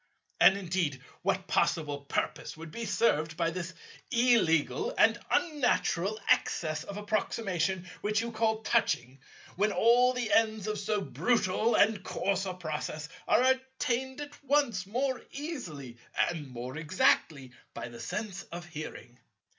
"And indeed what possible purpose would be served by this illegal and unnatural excess of approximation which you call touching, when all the ends of so brutal and course a process are attained at once more easily and more exactly by the sense of hearing?